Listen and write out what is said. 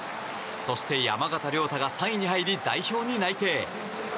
そして、山縣亮太が３位に入り代表に内定。